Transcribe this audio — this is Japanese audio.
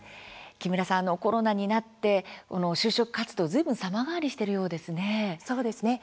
木村さん、コロナになって就職活動、ずいぶん様変わりしているようですね。